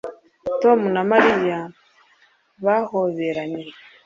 tom na mariya bahoberanye